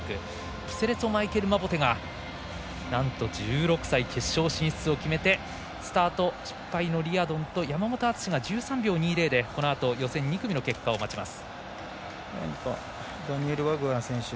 プセレツォマイケル・マボテがなんと１６歳決勝進出を決めてスタート、失敗のリアドンと山本篤が１３秒２０でこのあと予選２組の結果を待ちます。